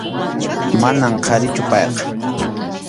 Manam qharichu payqa.